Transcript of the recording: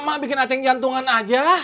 mak bikin aceh jantungan aja